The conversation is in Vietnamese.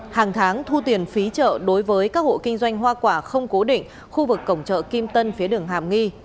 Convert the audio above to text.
hàng tháng thu tiền phí chợ đối với các hộ kinh doanh hoa quả không cố định khu vực cổng chợ kim tân phía đường hàm nghi